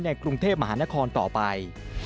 กรุงเทพมหานครต่อไป